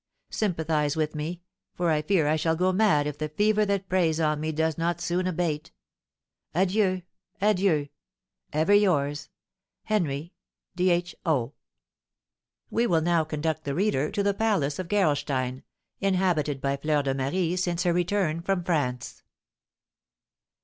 Sympathise with me, for I fear I shall go mad if the fever that preys on me does not soon abate. Adieu, adieu! Ever yours, HENRY D'H. O. We will now conduct the reader to the palace of Gerolstein, inhabited by Fleur de Marie since her return from France.